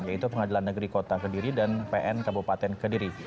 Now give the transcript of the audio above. yaitu pengadilan negeri kota kediri dan pn kabupaten kediri